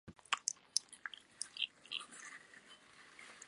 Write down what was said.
鹿の黄色な横っ腹なんぞに、二三発お見舞もうしたら、